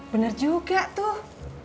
bener juga tuh